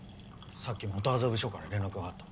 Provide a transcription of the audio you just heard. さっき元麻布署から連絡があった。